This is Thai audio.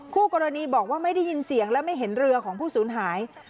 คู่กรณีบอกว่าไม่ได้ยินเสียงและไม่เห็นเรือของผู้สูญหาย